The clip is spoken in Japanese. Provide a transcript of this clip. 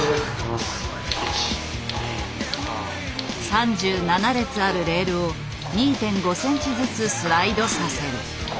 ３７列あるレールを２．５センチずつスライドさせる。